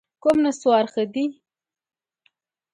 کوم نسوار ښه دي؟